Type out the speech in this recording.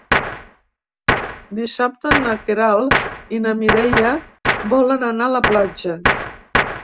Dissabte na Queralt i na Mireia volen anar a la platja.